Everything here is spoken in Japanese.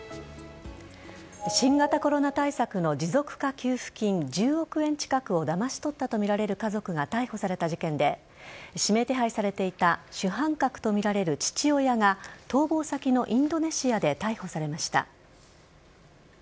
新型コロナ対策の持続化給付金１０億円近くをだまし取ったとみられる家族が逮捕された事件で指名手配されていた主犯格とみられる父親が逃亡先のインドネシアで逮捕されました。